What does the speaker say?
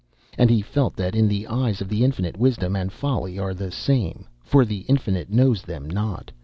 And he felt that in the eyes of the Infinite wisdom and folly are the same, for the Infinite knows them not.